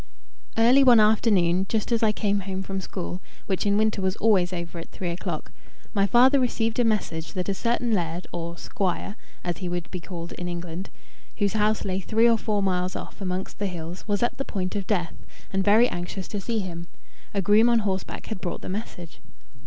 Early one afternoon, just as I came home from school, which in winter was always over at three o'clock, my father received a message that a certain laird, or squire as he would be called in England whose house lay three or four miles off amongst the hills, was at the point of death, and very anxious to see him: a groom on horseback had brought the message.